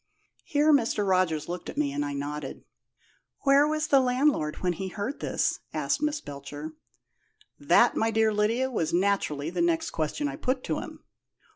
Here Mr. Rogers looked at me, and I nodded. "Where was the landlord when he heard this?" asked Miss Belcher. "That, my dear Lydia, was naturally the next question I put to him.